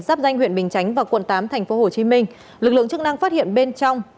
giáp danh huyện bình chánh và quận tám tp hcm lực lượng chức năng phát hiện bên trong